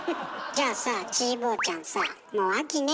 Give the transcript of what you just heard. じゃあさちーぼぉちゃんさもう秋ね。